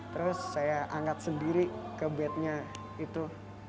terus saya angkat sendiri ke bednya itu